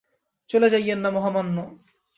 চলে যাইয়েন না, মহামান্য।